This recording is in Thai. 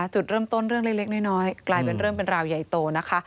จุดเริ่มต้นเรื่องเล็กน้อยกลายเป็นเรื่องเป็นราวใหญ่โตนะคะ